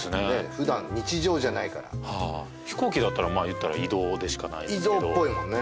普段日常じゃないからはあ飛行機だったらまあ言ったら移動でしかないですけど移動っぽいもんね